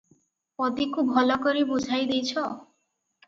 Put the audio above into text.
"ପଦୀକୁ ଭଲକରି ବୁଝାଇ ଦେଇଛ?"